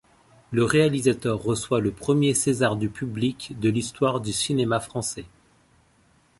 Le réalisateur reçoit le premier César du public de l'histoire du cinéma français.